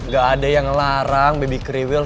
gak ada yang ngelarang debbie kriwil